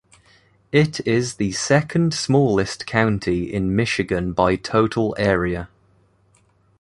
It is the second-smallest county in Michigan by total area.